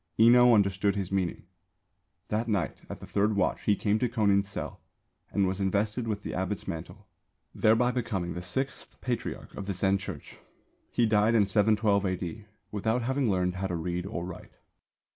Enō understood his meaning. That night at the third watch he came to Kōnin's cell and was invested with the abbot's mantle, thereby becoming the Sixth Patriarch of the Zen Church. He died in 712 A.D., without having learned how to read or write.